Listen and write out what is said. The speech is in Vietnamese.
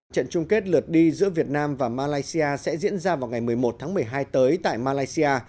trận chung kết lượt đi giữa việt nam và malaysia sẽ diễn ra vào ngày một mươi một tháng một mươi hai tới tại malaysia